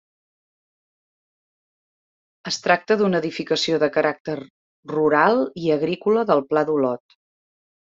Es tracta d'una edificació de caràcter rural i agrícola del Pla d'Olot.